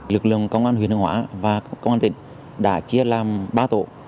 lực lượng công an huyện hương hóa và công an tỉnh đã chia làm ba tổ